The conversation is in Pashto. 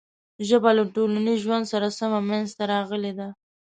ژبه له ټولنیز ژوند سره سمه منځ ته راغلې ده.